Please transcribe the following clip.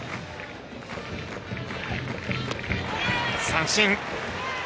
三振。